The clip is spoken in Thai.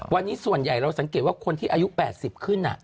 วันนี้ส่วนใหญ่เราสังเกตว่าคนที่อายุ๘๐ขึ้น